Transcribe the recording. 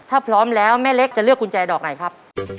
ถ้าพร้อมแล้วแม่เล็กจะเลือกกุญแจดอกไหนครับ